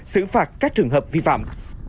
xử phạt các trường hợp vi phạm